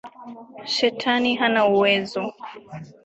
Shetani hauna uwezo.